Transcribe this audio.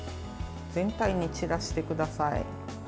全体に散らしてください。